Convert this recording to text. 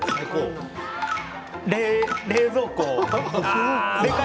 冷蔵庫。